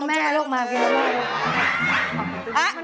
แต่ก็เปื่อนนมจนชั้น